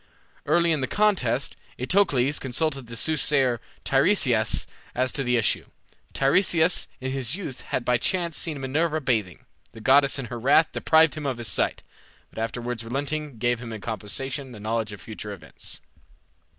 Early in the contest Eteocles consulted the soothsayer Tiresias as to the issue. Tiresias in his youth had by chance seen Minerva bathing. The goddess in her wrath deprived him of his sight, but afterwards relenting gave him in compensation the knowledge of future events.